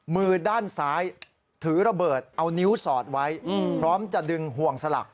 มือด้านซ้ายถือระเบิดเอานิ้วสอดไว้พร้อมจะดึงห่วงสลัก